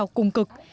đau củng cực